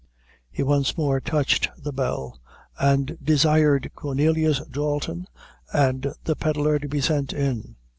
He once more touched the bell, and desired Cornelius Dalton and the Pedlar to be sent in.